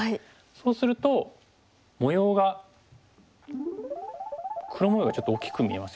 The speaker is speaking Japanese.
そうすると模様が黒模様がちょっと大きく見えますよね。